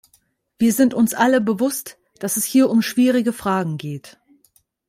Wir sind uns alle bewusst, dass es hier um schwierige Fragen geht.